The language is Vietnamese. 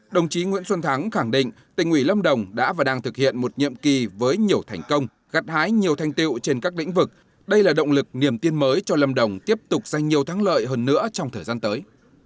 đồng chí nguyễn xuân thắng khẳng định tỉnh ủy lâm đồng đã và đang thực hiện một nhiệm kỳ với nhiều thành công gắt hái nhiều thanh tiệu trên các lĩnh vực đây là động lực niềm tiên mới cho lâm đồng tiếp tục dành nhiều thắng lợi hơn nữa trong thời gian tới